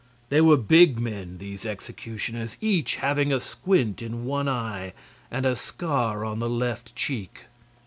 They were big men, these executioners, each having a squint in one eye and a scar on the left cheek.